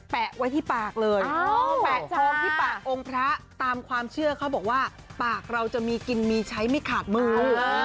แปะไว้ที่ปากเลยแปะทองที่ปากองค์พระตามความเชื่อเขาบอกว่าปากเราจะมีกินมีใช้ไม่ขาดมือ